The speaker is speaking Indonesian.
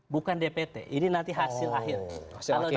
bukan dpt ini nanti hasil akhir